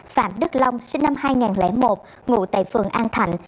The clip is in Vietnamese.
phạm đức long sinh năm hai nghìn một ngụ tại phường an thạnh